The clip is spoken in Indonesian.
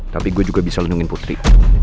tapi gue juga bisa lindungi putri